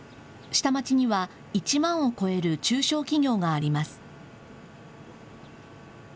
下町には１万を超える中小企業があります。